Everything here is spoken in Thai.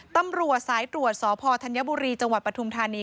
ตำรวจสายตรวจสพธัญบุรีจังหวัดปฐุมธานี